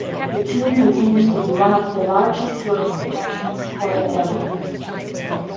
The tomb continues to be one of the largest tourist attractions for the area.